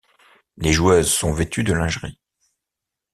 Les joueuses sont vêtues de lingerie.